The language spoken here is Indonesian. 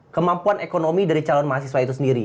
kemampuan ekonomi dari calon mahasiswa itu sendiri